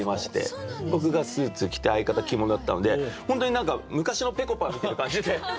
僕がスーツ着て相方着物だったので本当に何か昔のぺこぱ見てる感じで。